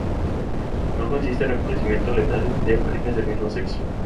No existe reconocimiento legal de parejas del mismo sexo.